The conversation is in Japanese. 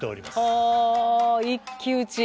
は一騎打ち。